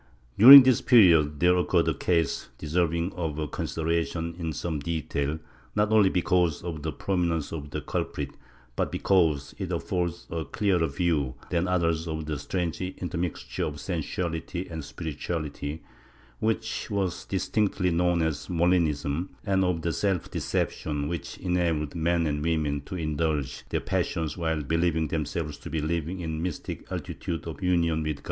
^ During this period there occurred a case deserving of consider ation in some detail, not only because of the prominence of the culprit but because it affords a clearer view than others of the strange intermixture of sensuality and spirituality, which was distinctly known as Molinism, and of the self deception which enabled men and women to indulge their passions while believing themselves to be living in the mystic altitude of Union with God.